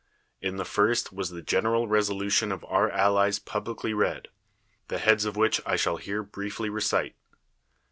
In the first was the gener al resolution of our allies publicly read, the heads of which I shall here briefly recite.